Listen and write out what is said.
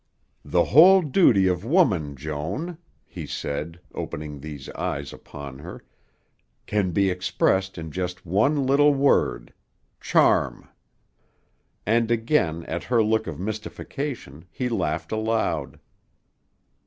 "The whole duty of woman, Joan," he said, opening these eyes upon her, "can be expressed in just one little word charm." And again at her look of mystification he laughed aloud.